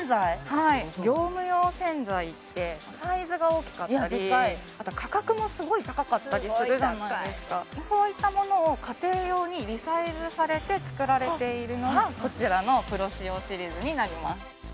はい業務用洗剤ってサイズが大きかったりあと価格もすごい高かったりするじゃないですかそういったものをのがこちらのプロ仕様シリーズになります